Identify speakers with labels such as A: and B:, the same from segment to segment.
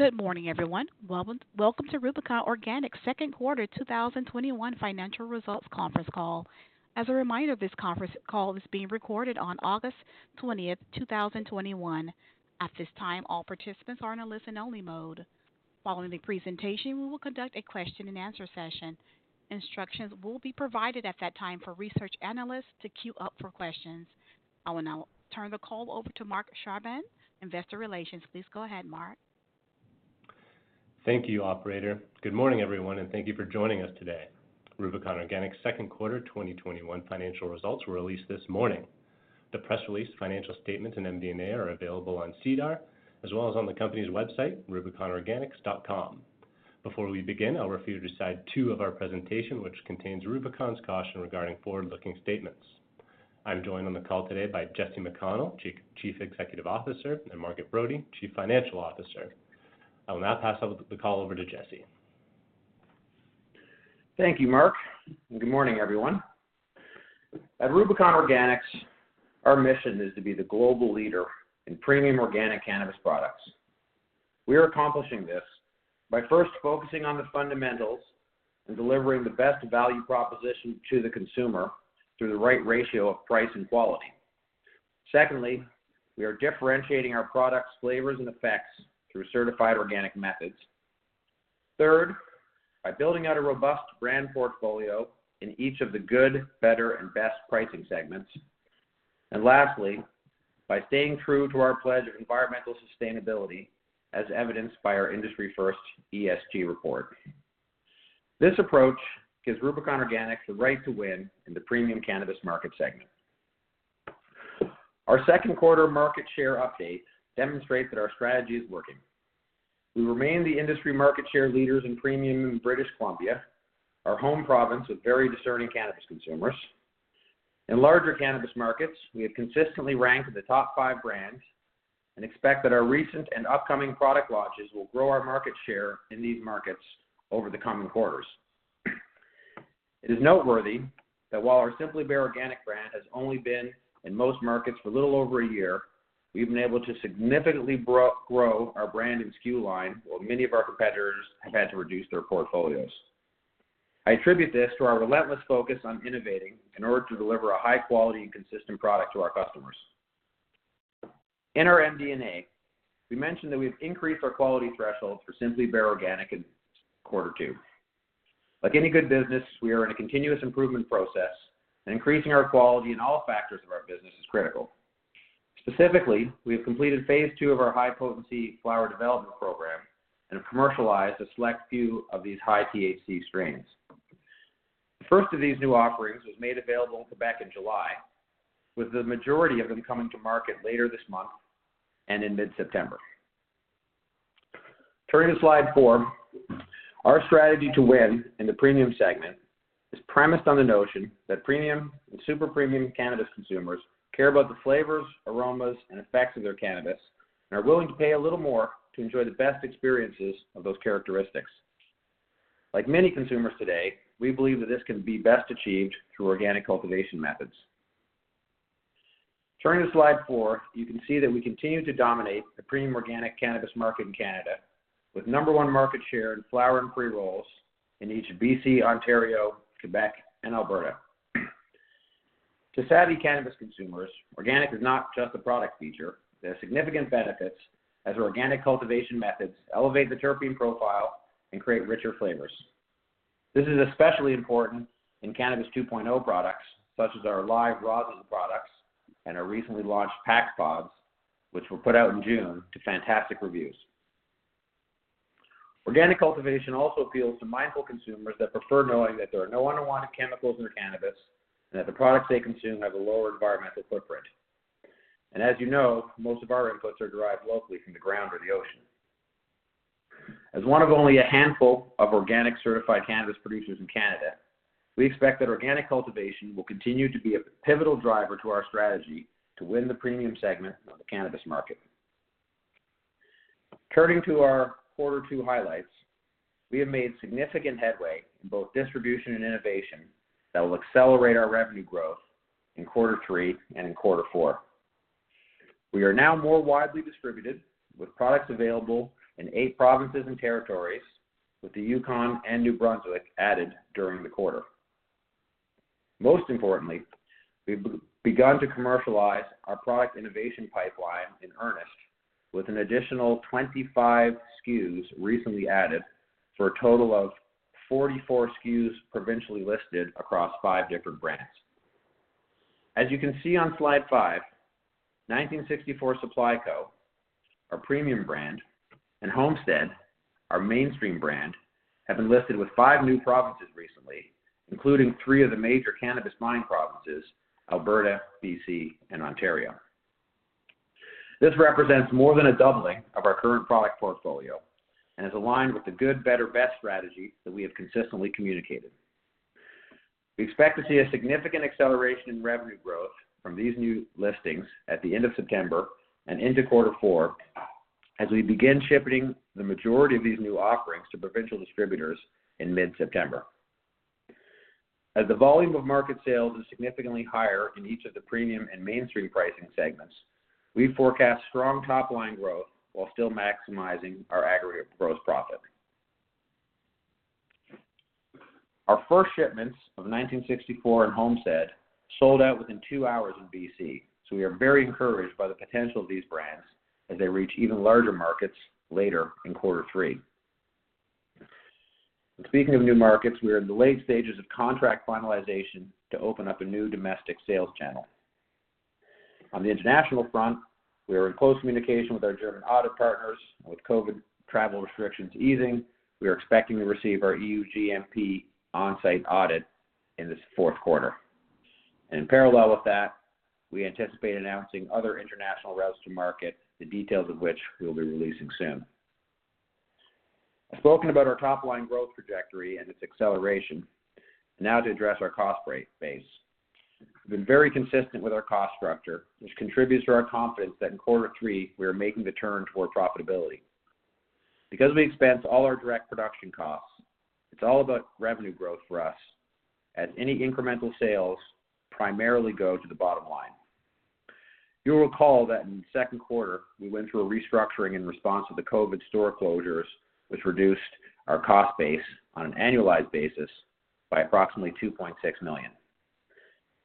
A: Good morning, everyone. Welcome to Rubicon Organics' second quarter 2021 financial results conference call. As a reminder, this conference call is being recorded on August 20th, 2021. At this time, all participants are in a listen-only mode. Following the presentation, we will conduct a question and answer session. Instructions will be provided at that time for research analysts to queue up for questions. I will now turn the call over to Marc Charbin, Investor Relations. Please go ahead, Marc.
B: Thank you, operator. Good morning, everyone, and thank you for joining us today. Rubicon Organics' second quarter 2021 financial results were released this morning. The press release, financial statements, and MD&A are available on SEDAR, as well as on the company's website, rubiconorganics.com. Before we begin, I'll refer you to slide two of our presentation, which contains Rubicon's caution regarding forward-looking statements. I'm joined on the call today by Jesse McConnell, Chief Executive Officer, and Margaret Brodie, Chief Financial Officer. I will now pass the call over to Jesse.
C: Thank you, Marc. Good morning, everyone. At Rubicon Organics, our mission is to be the global leader in premium organic cannabis products. We are accomplishing this by first focusing on the fundamentals and delivering the best value proposition to the consumer through the right ratio of price and quality. Secondly, we are differentiating our products, flavors, and effects through certified organic methods. Third, by building out a robust brand portfolio in each of the good, better, and best pricing segments. Lastly, by staying true to our pledge of environmental sustainability, as evidenced by our industry-first ESG report. This approach gives Rubicon Organics the right to win in the premium cannabis market segment. Our second quarter market share update demonstrates that our strategy is working. We remain the industry market share leaders in premium in British Columbia, our home province with very discerning cannabis consumers. In larger cannabis markets, we have consistently ranked in the top five brands and expect that our recent and upcoming product launches will grow our market share in these markets over the coming quarters. It is noteworthy that while our Simply Bare Organic brand has only been in most markets for a little over one year, we've been able to significantly grow our brand and SKU line, while many of our competitors have had to reduce their portfolios. I attribute this to our relentless focus on innovating in order to deliver a high-quality and consistent product to our customers. In our MD&A, we mentioned that we've increased our quality threshold for Simply Bare Organic in quarter two. Like any good business, we are in a continuous improvement process, and increasing our quality in all factors of our business is critical. Specifically, we have completed phase II of our high-potency flower development program and have commercialized a select few of these high-THC strains. The first of these new offerings was made available in Quebec in July, with the majority of them coming to market later this month and in mid-September. Turning to slide four, our strategy to win in the premium segment is premised on the notion that premium and super-premium cannabis consumers care about the flavors, aromas, and effects of their cannabis, and are willing to pay a little more to enjoy the best experiences of those characteristics. Like many consumers today, we believe that this can be best achieved through organic cultivation methods. Turning to slide four, you can see that we continue to dominate the premium organic cannabis market in Canada, with number one market share in flower and pre-rolls in each of BC, Ontario, Quebec, and Alberta. To savvy cannabis consumers, organic is not just a product feature. There are significant benefits, as organic cultivation methods elevate the terpene profile and create richer flavors. This is especially important in Cannabis 2.0 products, such as our live rosin products and our recently launched PAX Pods, which were put out in June to fantastic reviews. Organic cultivation also appeals to mindful consumers that prefer knowing that there are no unwanted chemicals in their cannabis, and that the products they consume have a lower environmental footprint. As you know, most of our inputs are derived locally from the ground or the ocean. As one of only a handful of organic-certified cannabis producers in Canada, we expect that organic cultivation will continue to be a pivotal driver to our strategy to win the premium segment of the cannabis market. Turning to our quarter two highlights, we have made significant headway in both distribution and innovation that will accelerate our revenue growth in quarter three and in quarter four. We are now more widely distributed, with products available in eight provinces and territories, with the Yukon and New Brunswick added during the quarter. Most importantly, we've begun to commercialize our product innovation pipeline in earnest, with an additional 25 SKUs recently added for a total of 44 SKUs provincially listed across five different brands. As you can see on slide five, 1964 Supply Co, our premium brand, and Homestead, our mainstream brand, have been listed with five new provinces recently, including three of the major cannabis buying provinces, Alberta, BC, and Ontario. This represents more than a doubling of our current product portfolio and is aligned with the good, better, best strategy that we have consistently communicated. We expect to see a significant acceleration in revenue growth from these new listings at the end of September and into Q4 as we begin shipping the majority of these new offerings to provincial distributors in mid-September. As the volume of market sales is significantly higher in each of the premium and mainstream pricing segments, we forecast strong top-line growth while still maximizing our aggregate gross profit. Our first shipments of 1964 and Homestead sold out within two hours in BC. We are very encouraged by the potential of these brands as they reach even larger markets later in quarter three. Speaking of new markets, we are in the late stages of contract finalization to open up a new domestic sales channel. On the international front, we are in close communication with our German audit partners. With COVID travel restrictions easing, we are expecting to receive our EU GMP onsite audit in this fourth quarter. In parallel with that, we anticipate announcing other international routes to market, the details of which we'll be releasing soon. I've spoken about our top-line growth trajectory and its acceleration. Now to address our cost base. We've been very consistent with our cost structure, which contributes to our confidence that in quarter three, we are making the turn toward profitability. We expense all our direct production costs, it's all about revenue growth for us, as any incremental sales primarily go to the bottom line. You'll recall that in the second quarter, we went through a restructuring in response to the COVID store closures, which reduced our cost base on an annualized basis by approximately 2.6 million.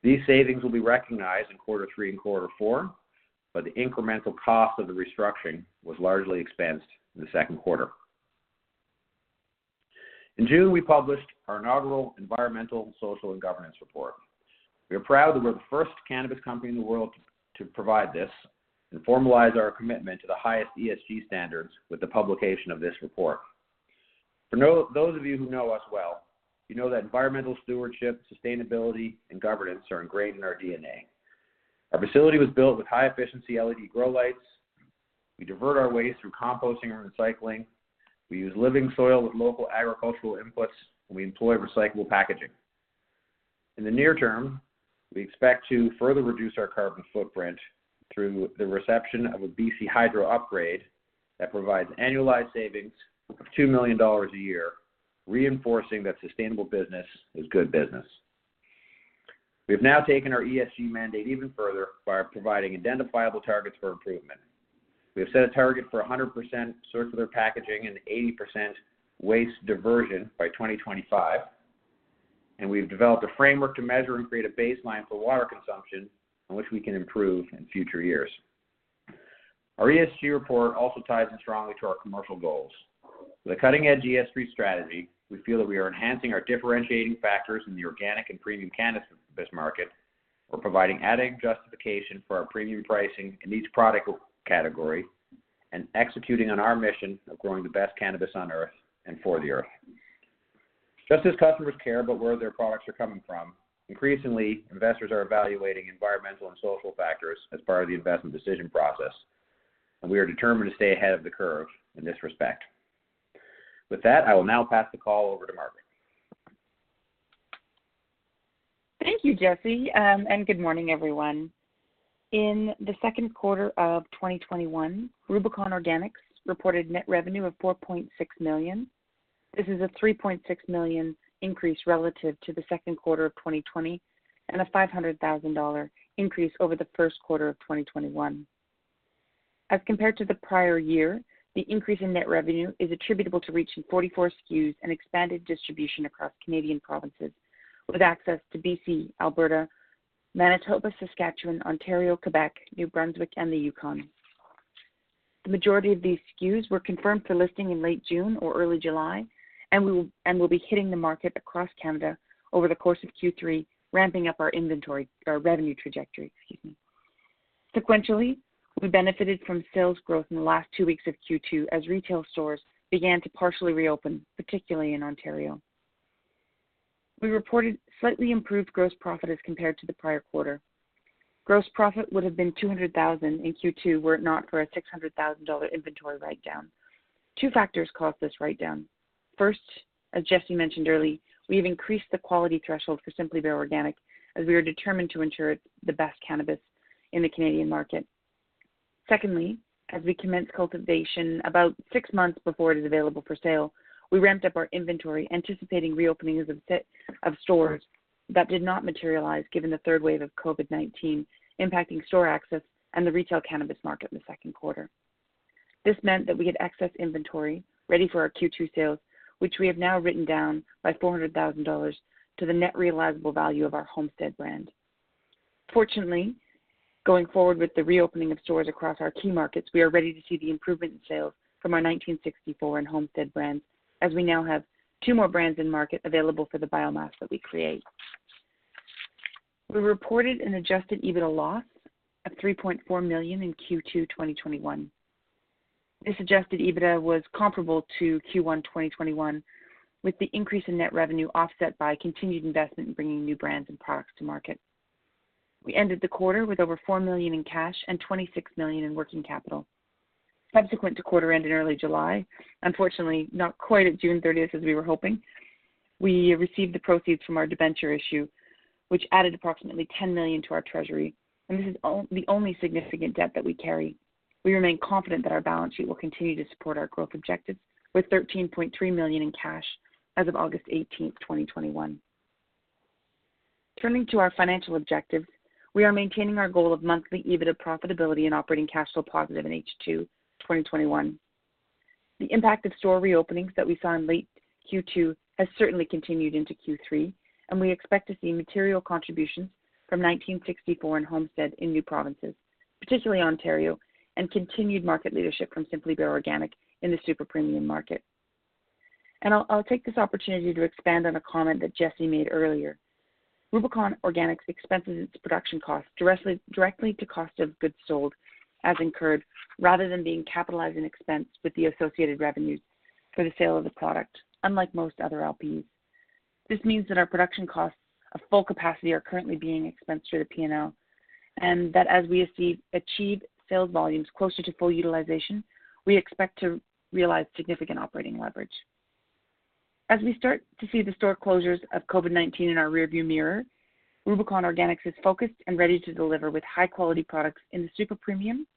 C: These savings will be recognized in quarter three and quarter four, but the incremental cost of the restructuring was largely expensed in the second quarter. In June, we published our inaugural environmental, social, and governance report. We are proud that we're the first cannabis company in the world to provide this and formalize our commitment to the highest ESG standards with the publication of this report. For those of you who know us well, you know that environmental stewardship, sustainability, and governance are ingrained in our DNA. Our facility was built with high-efficiency LED grow lights. We divert our waste through composting and recycling. We use living soil with local agricultural inputs. We employ recyclable packaging. In the near term, we expect to further reduce our carbon footprint through the reception of a BC Hydro upgrade that provides annualized savings of 2 million dollars a year, reinforcing that sustainable business is good business. We have now taken our ESG mandate even further by providing identifiable targets for improvement. We have set a target for 100% circular packaging and 80% waste diversion by 2025. We've developed a framework to measure and create a baseline for water consumption on which we can improve in future years. Our ESG report also ties in strongly to our commercial goals. With a cutting-edge ESG strategy, we feel that we are enhancing our differentiating factors in the organic and premium cannabis market while providing added justification for our premium pricing in each product category, and executing on our mission of growing the best cannabis on Earth and for the Earth. Just as customers care about where their products are coming from, increasingly, investors are evaluating environmental and social factors as part of the investment decision process, and we are determined to stay ahead of the curve in this respect. With that, I will now pass the call over to Margaret.
D: Thank you, Jesse, and good morning, everyone. In Q2 2021, Rubicon Organics reported net revenue of 4.6 million. This is a 3.6 million increase relative to Q2 2020 and a 500,000 dollar increase over Q1 2021. As compared to the prior year, the increase in net revenue is attributable to reaching 44 SKUs and expanded distribution across Canadian provinces, with access to BC, Alberta, Manitoba, Saskatchewan, Ontario, Quebec, New Brunswick, and the Yukon. The majority of these SKUs were confirmed for listing in late June or early July and will be hitting the market across Canada over the course of Q3, ramping up our revenue trajectory. Sequentially, we benefited from sales growth in the last two weeks of Q2 as retail stores began to partially reopen, particularly in Ontario. We reported slightly improved gross profit as compared to the prior quarter. Gross profit would have been 200,000 in Q2 were it not for a 600,000 dollar inventory write-down. Two factors caused this write-down. First, as Jesse mentioned earlier, we have increased the quality threshold for Simply Bare Organic as we are determined to ensure it's the best cannabis in the Canadian market. Secondly, as we commence cultivation about six months before it is available for sale, we ramped up our inventory anticipating reopenings of stores that did not materialize given the third wave of COVID-19 impacting store access and the retail cannabis market in the second quarter. This meant that we had excess inventory ready for our Q2 sales, which we have now written down by 400,000 dollars to the net realizable value of our Homestead brand. Fortunately, going forward with the reopening of stores across our key markets, we are ready to see the improvement in sales from our 1964 and Homestead brands, as we now have two more brands in market available for the biomass that we create. We reported an adjusted EBITDA loss of 3.4 million in Q2 2021. This adjusted EBITDA was comparable to Q1 2021, with the increase in net revenue offset by continued investment in bringing new brands and products to market. We ended the quarter with over 4 million in cash and 26 million in working capital. Subsequent to quarter end in early July, unfortunately not quite at June 30th as we were hoping, we received the proceeds from our debenture issue, which added approximately 10 million to our treasury. This is the only significant debt that we carry. We remain confident that our balance sheet will continue to support our growth objectives with 13.3 million in cash as of August 18th, 2021. Turning to our financial objectives, we are maintaining our goal of monthly EBITDA profitability and operating cash flow positive in H2 2021. The impact of store reopenings that we saw in late Q2 has certainly continued into Q3. We expect to see material contributions from 1964 and Homestead in new provinces, particularly Ontario, and continued market leadership from Simply Bare Organic in the super-premium market. I'll take this opportunity to expand on a comment that Jesse made earlier. Rubicon Organics expenses its production costs directly to cost of goods sold as incurred, rather than being capitalized and expensed with the associated revenues for the sale of the product, unlike most other LPs. This means that our production costs of full capacity are currently being expensed through the P&L, and that as we achieve sales volumes closer to full utilization, we expect to realize significant operating leverage. As we start to see the store closures of COVID-19 in our rear view mirror, Rubicon Organics is focused and ready to deliver with high-quality products in the super premium,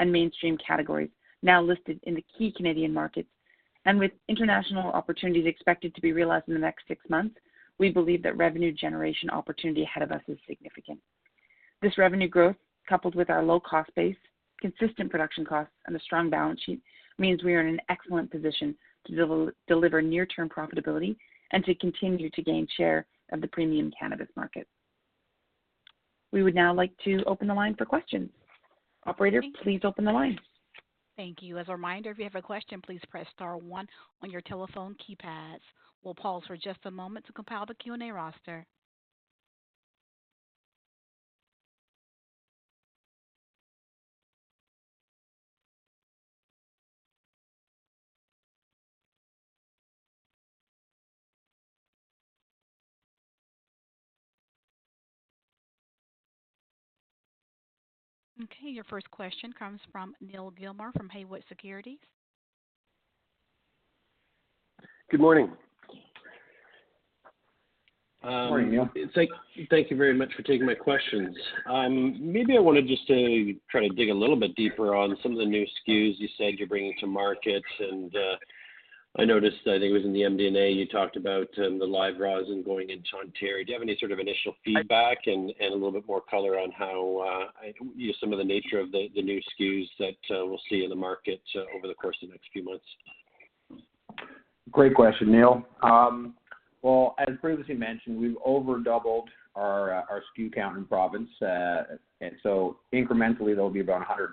D: and mainstream categories, now listed in the key Canadian markets. With international opportunities expected to be realized in the next six months, we believe that revenue generation opportunity ahead of us is significant. This revenue growth, coupled with our low cost base, consistent production costs, and a strong balance sheet, means we are in an excellent position to deliver near-term profitability and to continue to gain share of the premium cannabis market. We would now like to open the line for questions. Operator, please open the line.
A: Thank you. As a reminder, if you have a question, please press star one on your telephone keypads. We'll pause for just a moment to compile the Q&A roster. Your first question comes from Neal Gilmer from Haywood Securities.
E: Good morning.
C: Good morning, Neal.
E: Thank you very much for taking my questions. Maybe I want to just try to dig a little bit deeper on some of the new SKUs you said you're bringing to market, and I noticed, I think it was in the MD&A, you talked about the live rosin going into Ontario. Do you have any sort of initial feedback and a little bit more color on some of the nature of the new SKUs that we'll see in the market over the course of the next few months?
C: Great question, Neal. Well, as previously mentioned, we've over doubled our SKU count in province. Incrementally, that'll be about 125%.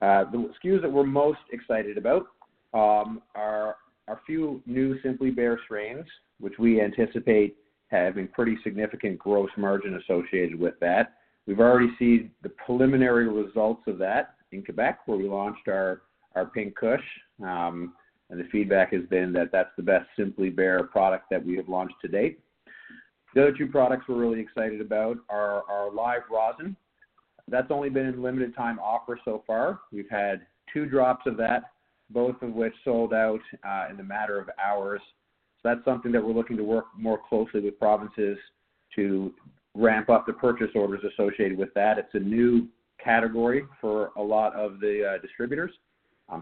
C: The SKUs that we're most excited about are a few new Simply Bare strains, which we anticipate having pretty significant gross margin associated with that. We've already seen the preliminary results of that in Quebec, where we launched our Pink Kush. The feedback has been that that's the best Simply Bare product that we have launched to date. The other two products we're really excited about are our live rosin. That's only been in limited time offer so far. We've had two drops of that, both of which sold out in a matter of hours. That's something that we're looking to work more closely with provinces to ramp up the purchase orders associated with that. It's a new category for a lot of the distributors,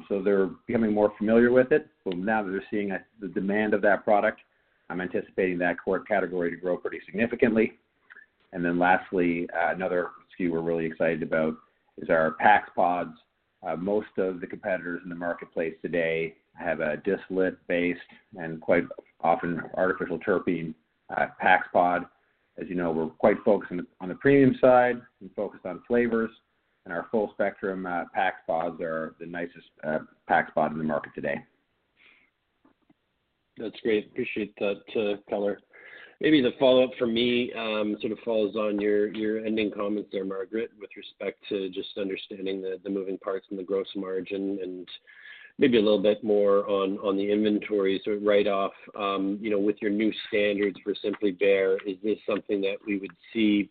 C: so they're becoming more familiar with it. Now that they're seeing the demand of that product, I'm anticipating that category to grow pretty significantly. Lastly, another SKU we're really excited about is our PAX Pods. Most of the competitors in the marketplace today have a distillate-based and quite often artificial terpene PAX Pod. As you know, we're quite focused on the premium side and focused on flavors, and our full spectrum PAX Pods are the nicest PAX Pod in the market today.
E: That's great. Appreciate that color. Maybe the follow-up from me sort of follows on your ending comments there, Margaret, with respect to just understanding the moving parts and the gross margin, and maybe a little bit more on the inventory sort of write-off. With your new standards for Simply Bare, is this something that we would see,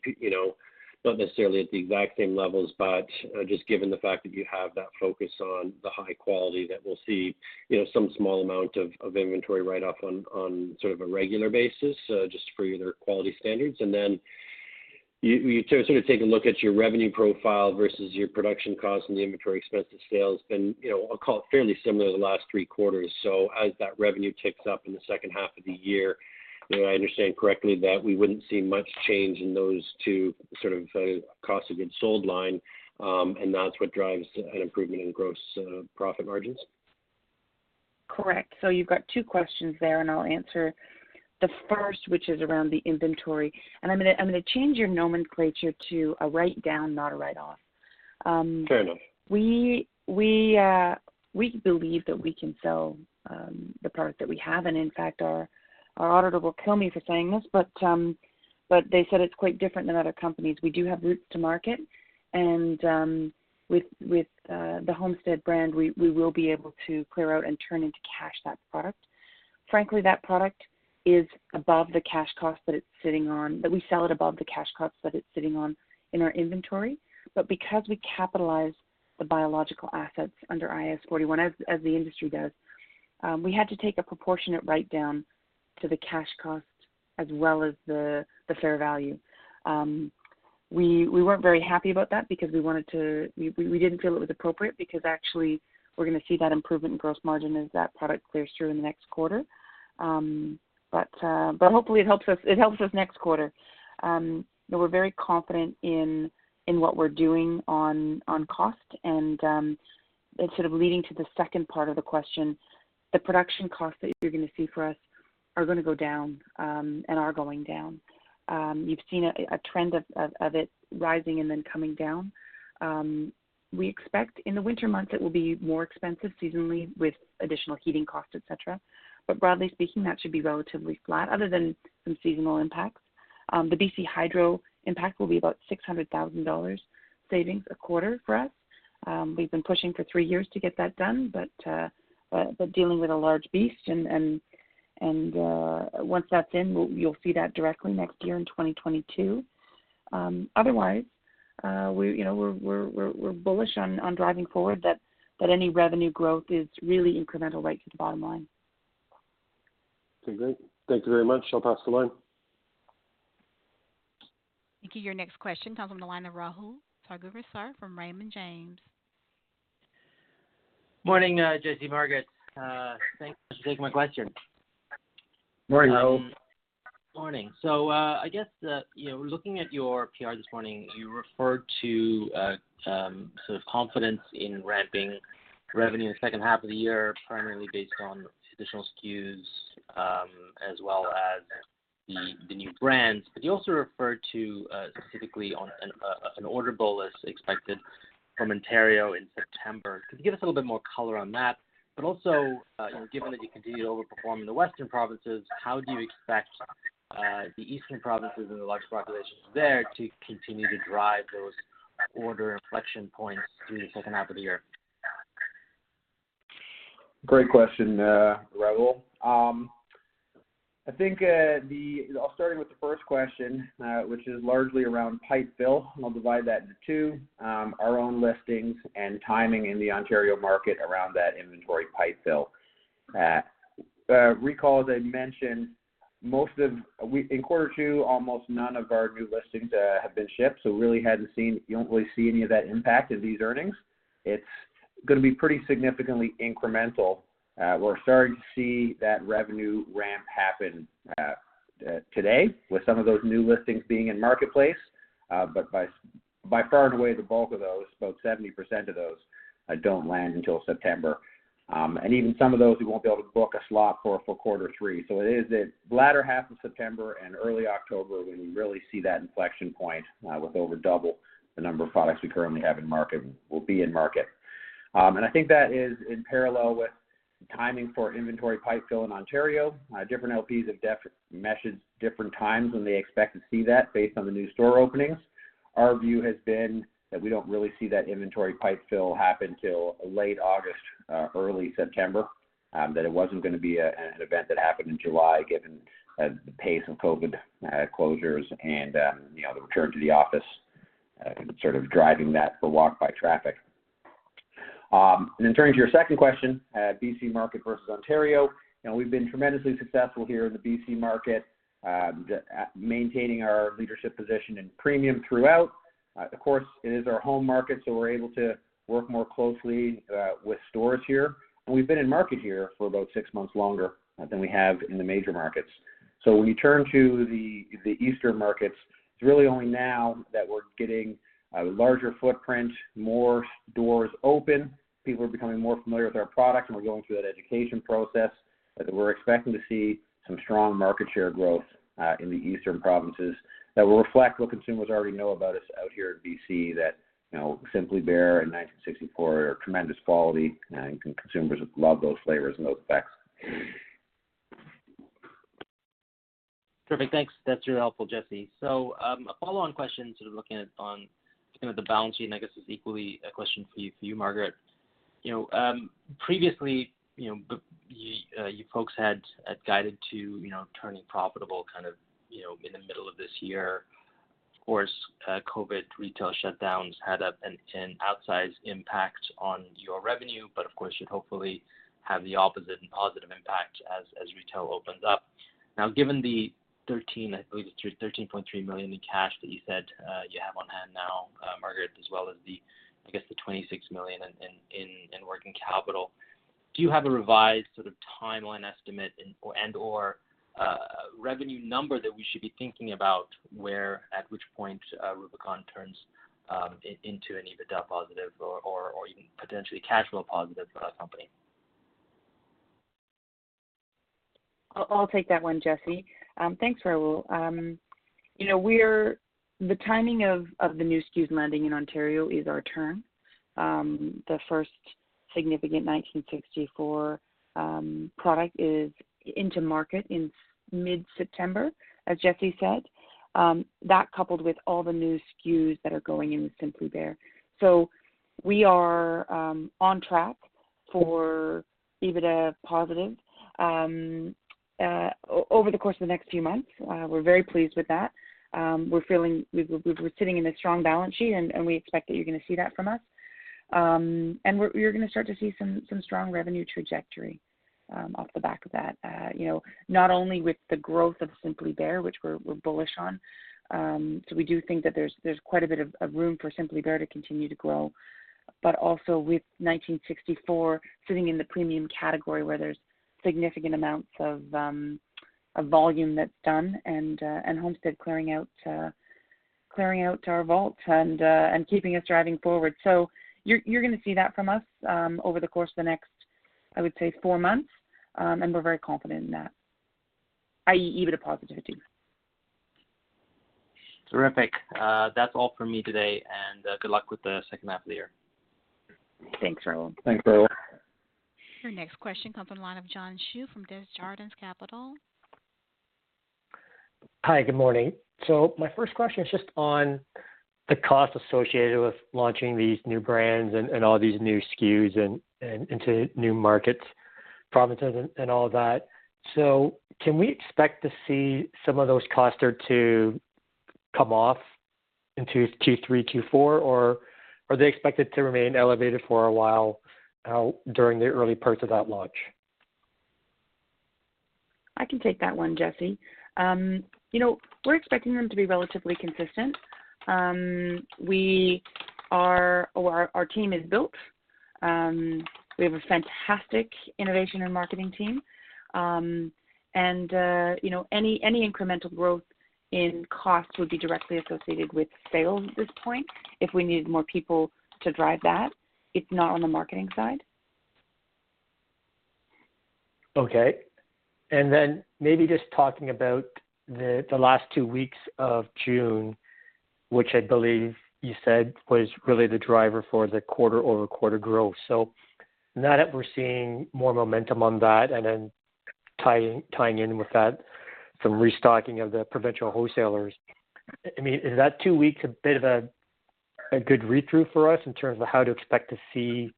E: not necessarily at the exact same levels, but just given the fact that you have that focus on the high quality, that we'll see some small amount of inventory write-off on sort of a regular basis just for your quality standards? Then you sort of take a look at your revenue profile versus your production cost and the inventory expense to sales, been fairly similar the last three quarters. As that revenue ticks up in the second half of the year, I understand correctly that we wouldn't see much change in those two sort of cost of goods sold line, and that's what drives an improvement in gross profit margins?
D: Correct. You've got two questions there, and I'll answer the first, which is around the inventory. I'm going to change your nomenclature to a write-down, not a write-off.
E: Fair enough.
D: We believe that we can sell the product that we have, and in fact, our auditor will kill me for saying this, but they said it's quite different than other companies. We do have routes to market, and with the Homestead brand, we will be able to clear out and turn into cash that product. Frankly, that product is above the cash cost that it's sitting on, that we sell it above the cash cost that it's sitting on in our inventory. But because we capitalize the biological assets under IAS 41, as the industry does, we had to take a proportionate write-down to the cash cost as well as the fair value. We weren't very happy about that because we didn't feel it was appropriate because actually we're going to see that improvement in gross margin as that product clears through in the next quarter. Hopefully it helps us next quarter. We're very confident in what we're doing on cost and sort of leading to the second part of the question, the production costs that you're going to see for us are going to go down, and are going down. You've seen a trend of it rising and then coming down. We expect in the winter months it will be more expensive seasonally with additional heating costs, et cetera, but broadly speaking, that should be relatively flat other than some seasonal impacts. The BC Hydro impact will be about 600,000 dollars savings a quarter for us. We've been pushing for three years to get that done, but dealing with a large beast, and once that's in, you'll see that directly next year in 2022. Otherwise, we're bullish on driving forward that any revenue growth is really incremental right to the bottom line.
E: Okay, great. Thank you very much. I'll pass the line.
A: Thank you. Your next question comes on the line of Rahul Sarugaser from Raymond James.
F: Morning, Jesse, Margaret. Thanks for taking my question.
C: Morning, Rahul.
F: Morning. I guess, looking at your PR this morning, you referred to sort of confidence in ramping revenue in the second half of the year, primarily based on additional SKUs, as well as the new brands. You also referred to specifically on an order pull as expected from Ontario in September. Could you give us a little bit more color on that? Also, given that you continue to overperform in the western provinces, how do you expect, the eastern provinces and the larger populations there to continue to drive those order inflection points through the second half of the year?
C: Great question, Rahul. I'll start with the first question, which is largely around pipe fill, and I'll divide that into two, our own listings and timing in the Ontario market around that inventory pipe fill. Recall, as I mentioned, in quarter two, almost none of our new listings have been shipped, so you don't really see any of that impact in these earnings. It's going to be pretty significantly incremental. We're starting to see that revenue ramp happen today with some of those new listings being in Marketplace, but by far and away, the bulk of those, about 70% of those, don't land until September. And even some of those, we won't be able to book a slot for quarter three. It is the latter half of September and early October when we really see that inflection point with over double the number of products we currently have in market will be in market. I think that is in parallel with timing for inventory pipe fill in Ontario. Different LPs have meshed different times when they expect to see that based on the new store openings. Our view has been that we don't really see that inventory pipe fill happen till late August or early September, that it wasn't going to be an event that happened in July given the pace of COVID closures and the return to the office sort of driving the walk-by traffic. Turning to your second question, BC market versus Ontario. We've been tremendously successful here in the BC market, maintaining our leadership position in premium throughout. Of course, it is our home market, so we're able to work more closely with stores here, and we've been in market here for about six months longer than we have in the major markets. When you turn to the eastern markets, it's really only now that we're getting a larger footprint, more doors open, people are becoming more familiar with our product, and we're going through that education process, that we're expecting to see some strong market share growth in the eastern provinces that will reflect what consumers already know about us out here in BC, that Simply Bare and 1964 are tremendous quality, and consumers love those flavors and those effects.
F: Perfect. Thanks. That's really helpful, Jesse. A follow-on question sort of looking at the balance sheet, and I guess it's equally a question for you, Margaret. Previously, you folks had guided to turning profitable in the middle of this year. Of course, COVID retail shutdowns had an outsized impact on your revenue, but of course, should hopefully have the opposite and positive impact as retail opens up. Given the 13.3 million in cash that you said you have on hand now, Margaret, as well as the, I guess, the 26 million in working capital, do you have a revised sort of timeline estimate and/or revenue number that we should be thinking about where at which point Rubicon turns into an EBITDA positive or even potentially cash flow positive for the company?
D: I'll take that one, Jesse. Thanks, Rahul. The timing of the new SKUs landing in Ontario is our turn. The first significant 1964 product is into market in mid-September, as Jesse said, that coupled with all the new SKUs that are going in with Simply Bare. We are on track for EBITDA positive over the course of the next few months. We're very pleased with that. We're sitting in a strong balance sheet, and we expect that you're going to see that from us. You're going to start to see some strong revenue trajectory off the back of that, not only with the growth of Simply Bare, which we're bullish on. We do think that there's quite a bit of room for Simply Bare to continue to grow, also with 1964 sitting in the premium category where there's significant amounts of volume that's done, and Homestead clearing out our vault and keeping us driving forward. You're going to see that from us over the course of the next, I would say, four months, and we're very confident in that, i.e., EBITDA positivity.
F: Terrific. That's all from me today, and good luck with the second half of the year.
D: Thanks, Rahul.
C: Thanks, Rahul.
A: Your next question comes on line of John Chu from Desjardins Capital.
G: Hi, good morning. My first question is just on the cost associated with launching these new brands and all these new SKUs into new markets, provinces and all that. Can we expect to see some of those costs start to come off into Q3, Q4, or are they expected to remain elevated for a while during the early parts of that launch?
D: I can take that one, Jesse. We're expecting them to be relatively consistent. Our team is built. We have a fantastic innovation and marketing team. Any incremental growth in cost would be directly associated with sales at this point, if we needed more people to drive that. It's not on the marketing side.
G: Okay. Maybe just talking about the last two weeks of June, which I believe you said was really the driver for the quarter-over-quarter growth. Now that we're seeing more momentum on that, and then tying in with that, some restocking of the provincial wholesalers, is that two weeks a bit of a good read-through for us in terms of how to expect to see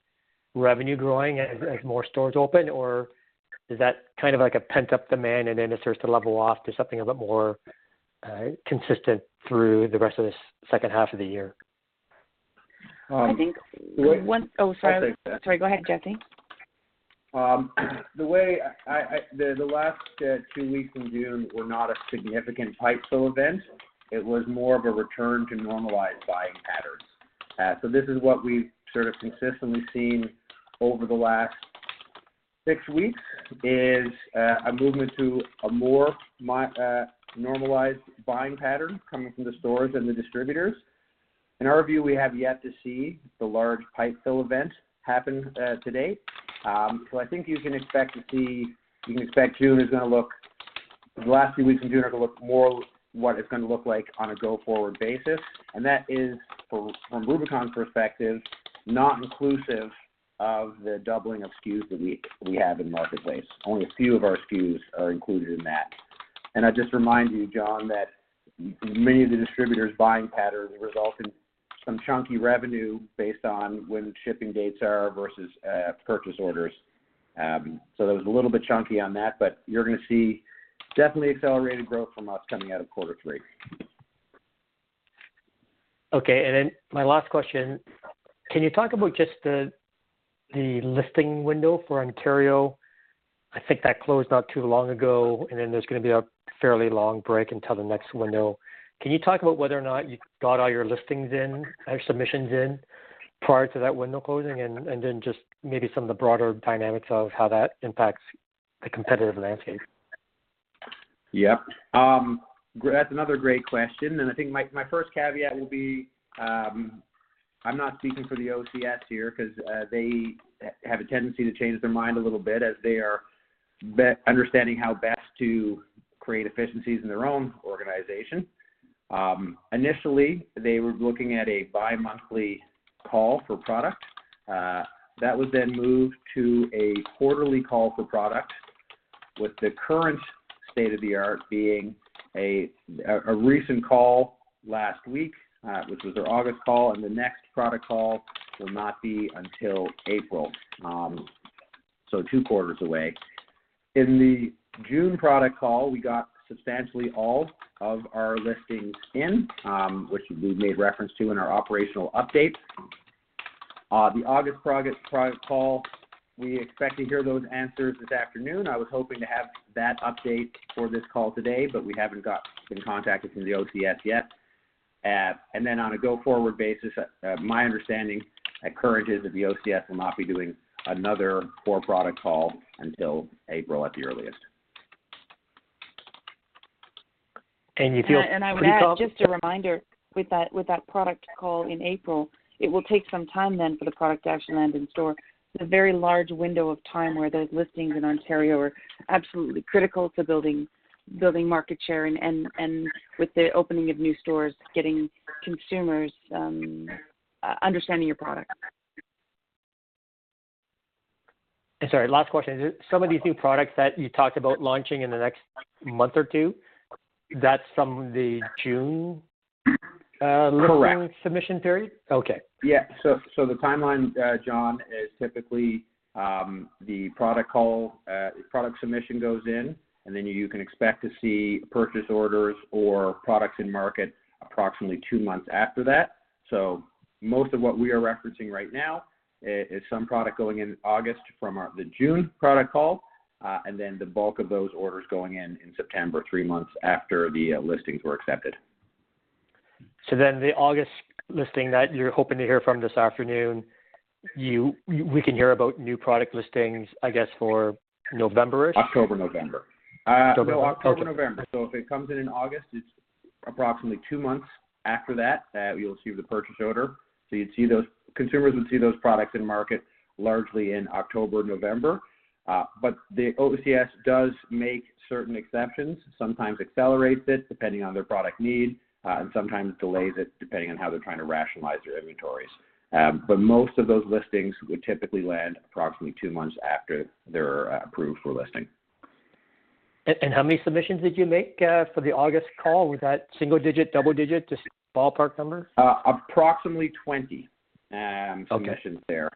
G: revenue growing as more stores open? Is that kind of like a pent-up demand and then it starts to level off to something a bit more consistent through the rest of this second half of the year?
D: Oh, sorry. Go ahead, Jesse.
C: The last two weeks in June were not a significant pipe fill event. It was more of a return to normalized buying patterns. This is what we've sort of consistently seen over the last 6 weeks, is a movement to a more normalized buying pattern coming from the stores and the distributors. In our view, we have yet to see the large pipe fill event happen to date. I think you can expect June is going to look, the last few weeks in June are going to look more what it's going to look like on a go-forward basis, and that is, from Rubicon's perspective, not inclusive of the doubling of SKUs that we have in the marketplace. Only a few of our SKUs are included in that. I'd just remind you, John, that many of the distributors' buying patterns result in some chunky revenue based on when shipping dates are versus purchase orders. That was a little bit chunky on that, but you're going to see definitely accelerated growth from us coming out of Q3.
G: Okay, my last question. Can you talk about just the listing window for Ontario? I think that closed not too long ago, and then there's going to be a fairly long break until the next window. Can you talk about whether or not you got all your listings in, or submissions in, prior to that window closing? Just maybe some of the broader dynamics of how that impacts the competitive landscape.
C: Yep. That's another great question. I think my first caveat will be, I'm not speaking for the OCS here because they have a tendency to change their mind a little bit as they are understanding how best to create efficiencies in their own organization. Initially, they were looking at a bi-monthly call for product. That was moved to a quarterly call for product, with the current state-of-the-art being a recent call last week, which was their August call. The next product call will not be until April, two quarters away. In the June product call, we got substantially all of our listings in, which we made reference to in our operational update. The August product call, we expect to hear those answers this afternoon. I was hoping to have that update for this call today. We haven't been contacted from the OCS yet. On a go-forward basis, my understanding at current is that the OCS will not be doing another core product call until April at the earliest.
G: You feel pretty confident.
D: I would add, just a reminder, with that product call in April, it will take some time then for the product to actually land in store. There is a very large window of time where those listings in Ontario are absolutely critical to building market share and with the opening of new stores, getting consumers understanding your product.
G: Sorry, last question. Some of these new products that you talked about launching in the next month or two, that's from the June.
C: Correct.
G: Listing submission period? Okay.
C: Yeah. The timeline, John, is typically the product submission goes in, and then you can expect to see purchase orders for products in market approximately two months after that. Most of what we are referencing right now is some product going in August from the June product call, and then the bulk of those orders going in in September, three months after the listings were accepted.
G: The August listing that you're hoping to hear from this afternoon, we can hear about new product listings, I guess, for November-ish?
C: October, November.
G: October, November.
C: No, October, November. If it comes in in August, it's approximately two months after that that you'll receive the purchase order. Consumers would see those products in market largely in October, November. The OCS does make certain exceptions, sometimes accelerates it depending on their product need, and sometimes delays it depending on how they're trying to rationalize their inventories. Most of those listings would typically land approximately two months after they're approved for listing.
G: How many submissions did you make for the August call? Was that single digit, double digit, just ballpark number?
C: Approximately 20, submissions there.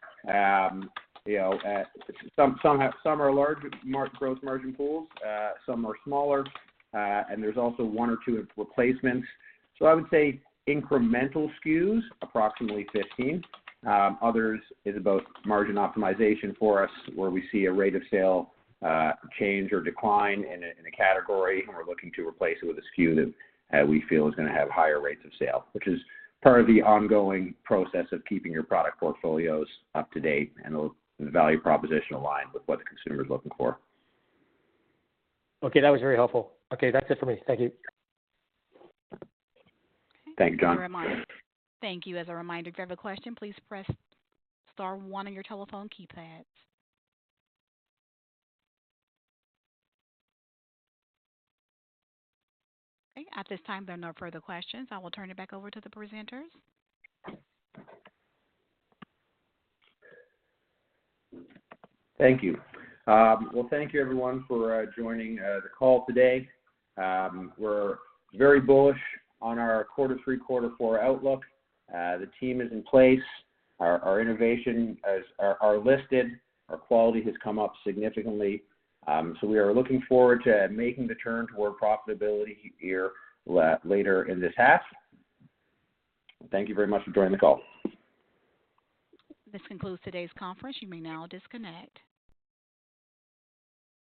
C: Some are large gross margin pools, some are smaller, and there's also one or two replacements. I would say incremental SKUs, approximately 15. Others is about margin optimization for us, where we see a rate of sale change or decline in a category, and we're looking to replace it with a SKU that we feel is going to have higher rates of sale, which is part of the ongoing process of keeping your product portfolios up to date and the value proposition aligned with what the consumer's looking for.
G: Okay. That was very helpful. Okay. That's it for me. Thank you.
C: Thanks, John.
A: Thank you. As a reminder, if you have a question, please press star one on your telephone keypad. Okay. At this time, there are no further questions. I will turn it back over to the presenters.
C: Thank you. Well, thank you, everyone, for joining the call today. We're very bullish on our quarter three, quarter four outlook. The team is in place. Our innovation are listed. Our quality has come up significantly. We are looking forward to making the turn toward profitability here later in this half. Thank you very much for joining the call.
A: This concludes today's conference. You may now disconnect.